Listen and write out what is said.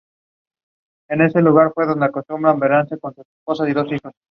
La historia trata de una bruja gitana y un conocido jefe de la mafia.